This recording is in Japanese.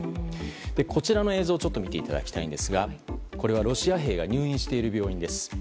こちらの映像を見ていただきたいんですがこれはロシア兵が入院している病院です。